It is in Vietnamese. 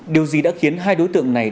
điều gì đã khiến hai đối tượng này